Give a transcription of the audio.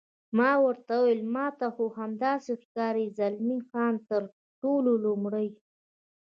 ما ورته وویل: ما ته خو همداسې ښکاري، زلمی خان: تر ټولو لومړی.